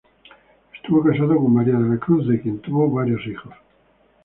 Estuvo casado con María de la Cruz, de quien tuvo varios hijos.